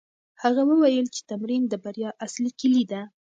هغه وویل چې تمرين د بریا اصلي کیلي ده.